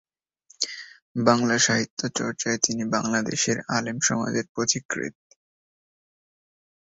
বাংলা সাহিত্য চর্চায় তিনি বাংলাদেশের আলেম সমাজের পথিকৃৎ।